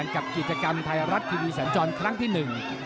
กับกิจกรรมไทยรัฐทีวีสันจรครั้งที่หนึ่ง